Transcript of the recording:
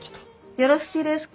よろしいですか？